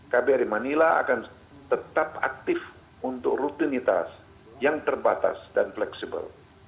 kbri manila akan tetap aktif untuk rutinitas yang terbatas dan fleksibel